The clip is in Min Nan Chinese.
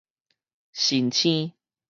辰星